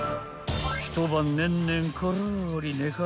［一晩ねんねんころり寝かせ